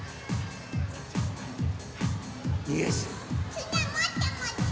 つなもってもって！